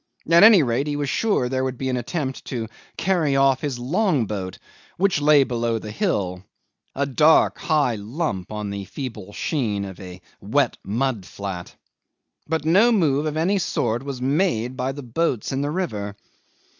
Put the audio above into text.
At any rate he was sure there would be an attempt to carry off his long boat, which lay below the hill, a dark high lump on the feeble sheen of a wet mud flat. But no move of any sort was made by the boats in the river.